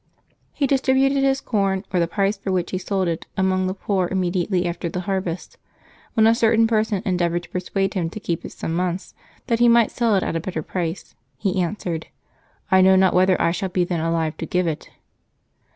He dis tributed his corn, or the price for which he sold it, among the poor immediately after the harvest. When a certain person endeavored to persuade him to keep it some months, that he might sell it at a better price, he answered, " I know not whether I shall be then alive to give it.''